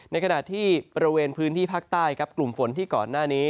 ในขณะที่บริเวณพื้นที่ภาคใต้ครับกลุ่มฝนที่ก่อนหน้านี้